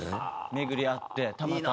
めぐり合ってたまたま。